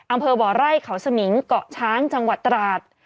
อำเภอบ่อไร่เขาสมิงเกาะช้างจังหวัดตราด